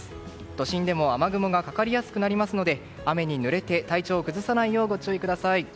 都心でも雨雲がかかりやすくなりますので雨にぬれて体調を崩さないようご注意ください。